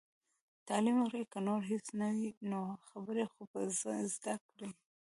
تعليم وکړئ! که نور هيڅ نه وي نو، خبرې خو به زده کړي.